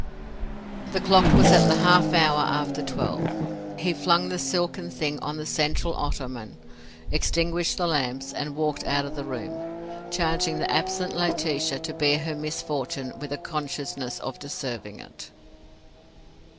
The clock was at the half hour after twelve. He flung the silken thing on the central ottoman, extinguished the lamps, and walked out of the room, charging the absent Laetitia to bear her misfortune with a consciousness of deserving it.